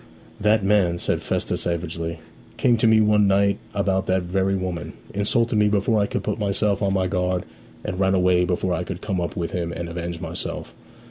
'That man,' said Festus savagely, 'came to me one night about that very woman; insulted me before I could put myself on my guard, and ran away before I could come up with him and avenge myself.